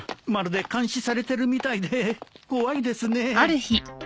まるで監視されてるみたいで怖いですね。